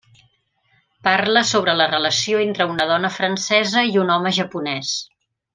Parla sobre la relació entre una dona francesa i un home japonès.